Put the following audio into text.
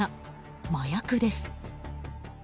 麻薬です。